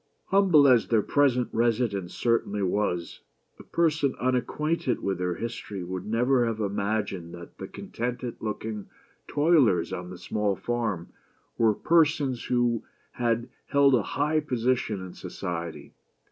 H umble as their present residence certainly was, a person unacquainted with their history would never have imagined that the contented looking toilers on the small farm were persons who had held a high position in society.